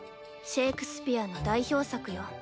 シェイクスピアの代表作よ。